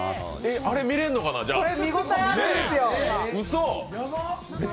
これ、見応えあるんですようそっ！